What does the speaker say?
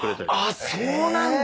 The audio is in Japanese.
あっそうなんだ。